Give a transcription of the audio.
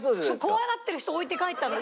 怖がってる人を置いて帰ったの？